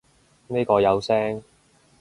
呢個有聲